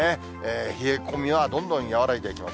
冷え込みはどんどん和らいでいきます。